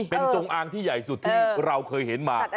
เป็นจงอางที่ใหญ่สุดที่เราเคยเห็นมา